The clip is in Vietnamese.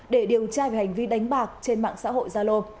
để điều tra về hành vi đánh bạc trên mạng xã hội gia lô